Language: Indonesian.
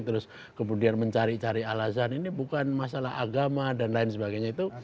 terus kemudian mencari cari alasan ini bukan masalah agama dan lain sebagainya itu